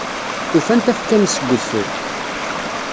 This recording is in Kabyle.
Ufan tafekka-nnes deg udfel.